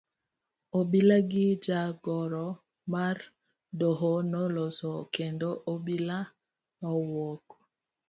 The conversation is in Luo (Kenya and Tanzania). Obila gi jagoro mar doho noloso kendo obila nowuok.